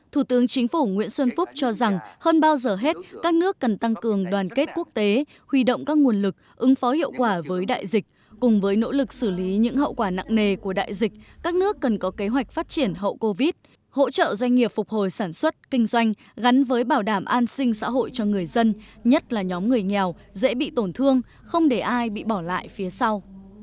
thủ tướng chính phủ nguyễn xuân phúc cho rằng hơn bao giờ hết các nước cần tăng cường đoàn kết quốc tế huy động các nguồn lực ứng phó hiệu quả với đại dịch cùng với nỗ lực xử lý những hậu quả nặng nề của đại dịch các nước cần có kế hoạch phát triển hậu covid hỗ trợ doanh nghiệp phục hồi sản xuất kinh doanh gắn với bảo đảm an sinh xã hội cho người dân nhất là nhóm người nghèo dễ bị tổn thương không để ai bị bỏ lại phía sau